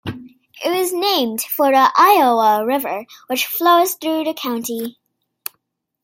It was named for the Iowa River, which flows through the county.